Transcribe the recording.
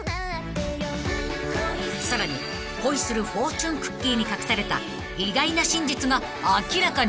［さらに『恋するフォーチュンクッキー』に隠された意外な真実が明らかに］